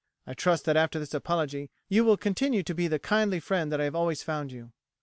I trust that after this apology you will continue to be the kindly friend I have always found you."